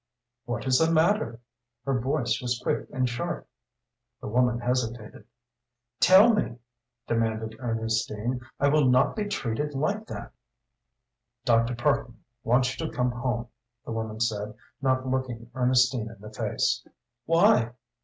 "What is the matter?" her voice was quick and sharp. The woman hesitated. "Tell me!" demanded Ernestine. "I will not be treated like that!" "Dr. Parkman wants you to come home," the woman said, not looking Ernestine in the face. "Why?